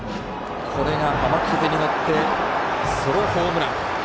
これが、浜風に乗ってソロホームラン。